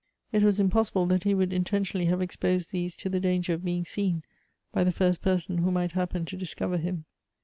It was im ])ossible that lie would intentionally have exposed these to the danger of being seen, by the first person who might happen to discover him.